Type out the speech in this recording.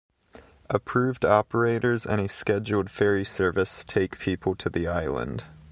Approved operators and a scheduled ferry service take people to the island.